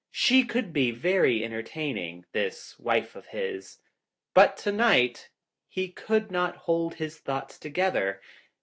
She could be very enter taining, this wife of his. But tonight he could not hold his thoughts together.